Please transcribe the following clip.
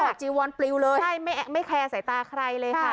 หรือถอดจีวอนปลิวเลยใช่ไม่ไม่แคร์ใส่ตาใครเลยค่ะ